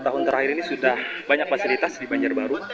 tahun terakhir ini sudah banyak fasilitas di banjarbaru